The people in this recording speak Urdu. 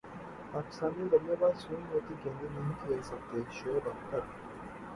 پاکستانی بلے باز سوئنگ ہوتی گیندیں نہیں کھیل سکتے شعیب اختر